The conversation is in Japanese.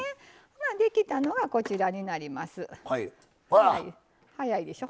できたのがこちらになります。